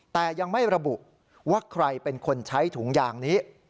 แต่ยังไม่ระบุว่าใครเป็นคนใช้ถุงยางนี้